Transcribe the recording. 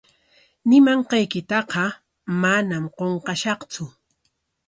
Ñimanqaykitaqa manam qunqashaqtsu.